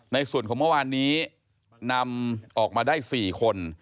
ในส่วนของเมื่อวานนี้นำออกมาได้๔คน